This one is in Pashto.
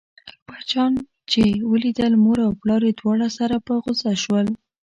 اکبر جان چې ولیدل مور او پلار یې دواړه سره په غوسه شول.